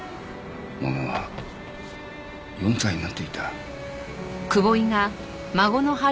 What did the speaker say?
孫は４歳になっていた。